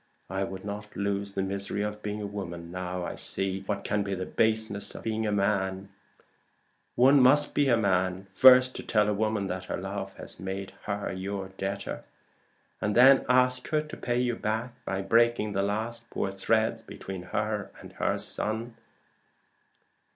I would not lose the misery of being a woman, now I see what can be the baseness of a man. One must be a man first to tell a woman that her love has made her your debtor, and then ask her to pay you by breaking the last poor threads between her and her son."